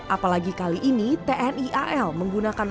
apalagi kali ini tni al menggunakan